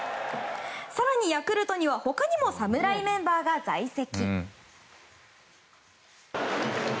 更にヤクルトには他にも侍メンバーが在籍。